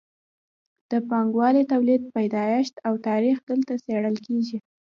د پانګوالي تولید پیدایښت او تاریخ دلته څیړل کیږي.